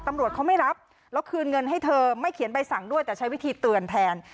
ตำรวจเขาไม่รับแล้วคืนเงินให้เธอไม่เขียนใบสั่งด้วยแต่ใช้วิธีเตือนแทน